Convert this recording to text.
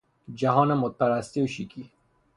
جهان مد پرستی و شیکی